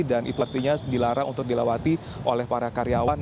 dan itu artinya dilarang untuk dilawati oleh para karyawan